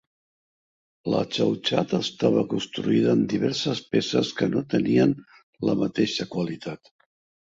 La Chauchat estava construïda amb diverses peces que no tenien la mateixa qualitat.